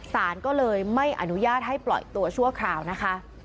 สารก็เลยไม่อนุญาตให้ปล่อยตัวชั่วคราวนะคะ